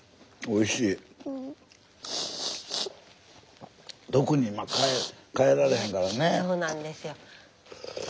おいしいな。